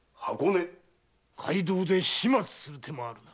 街道で始末する手もある。